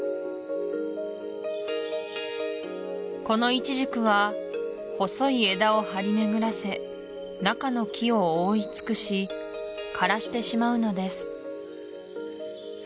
このイチジクは細い枝を張り巡らせ中の木を覆い尽くし枯らしてしまうのです